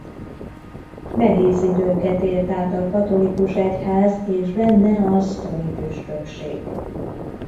Nehéz időket élt át a katolikus egyház és benne a stoni püspökség.